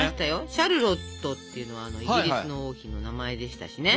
シャルロットっていうのはイギリスの王妃の名前でしたしね。